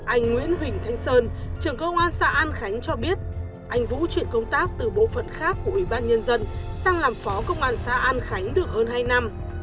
anh nguyễn huỳnh thanh sơn trưởng công an xã an khánh cho biết anh vũ chuyển công tác từ bộ phận khác của ủy ban nhân dân sang làm phó công an xã an khánh được hơn hai năm